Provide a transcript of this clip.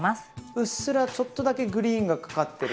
うっすらちょっとだけグリーンがかかってる？